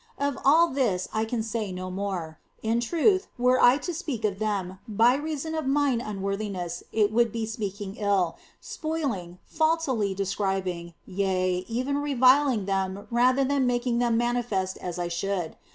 Of all this I can say no more in truth, were I to speak of them, by reason of mine un worthiness it would be speaking ill, spoiling, faultily de scribing, yea, even reviling them rather than making them manifest as I should.